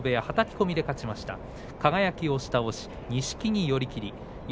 はたき込みで勝ちました。